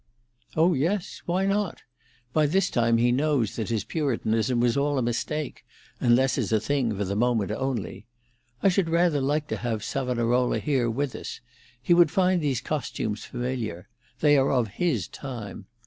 "Oh yes; why not? By this time he knows that his puritanism was all a mistake, unless as a thing for the moment only. I should rather like to have Savonarola here with us; he would find these costumes familiar; they are of his time.